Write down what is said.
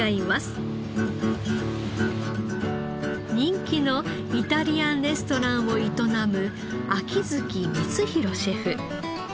人気のイタリアンレストランを営む秋月光広シェフ。